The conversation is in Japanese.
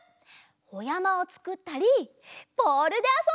おやまをつくったりボールであそんだり！